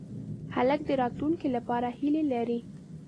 هلک د راتلونکې لپاره هیلې لري.